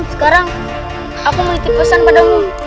sekarang aku memiliki pesan padamu